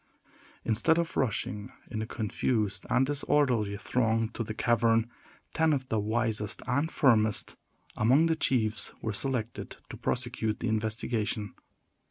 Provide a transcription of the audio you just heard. Instead of rushing in a confused and disorderly throng to the cavern, ten of the wisest and firmest among the chiefs were selected to prosecute the investigation.